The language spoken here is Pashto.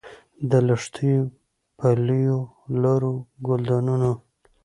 د لښتیو، پلیو لارو، ګلدانونو